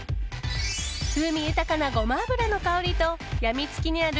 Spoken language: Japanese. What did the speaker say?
風味豊かなゴマ油の香りとやみつきになる